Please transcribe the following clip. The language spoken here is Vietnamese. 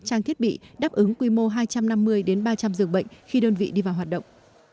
trang thiết bị đáp ứng quy mô hai trăm năm mươi ba trăm linh giường bệnh khi đơn vị đi vào hoạt động